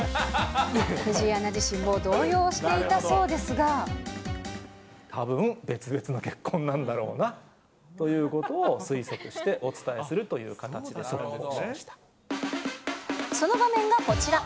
藤井アナ自身も動揺していたたぶん、別々の結婚なんだろうなということを推測してお伝えするという形その場面がこちら。